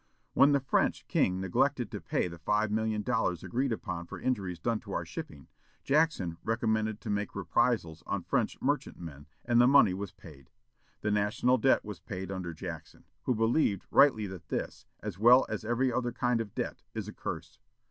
When the French king neglected to pay the five million dollars agreed upon for injuries done to our shipping, Jackson recommended to make reprisals on French merchantmen, and the money was paid. The national debt was paid under Jackson, who believed rightly that this, as well as every other kind of debt, is a curse.